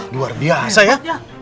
luar biasa ya